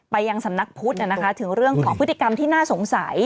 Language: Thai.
ไปยังสำนักพุทธถึงเรื่องของพฤติกรรมที่น่าสงสัย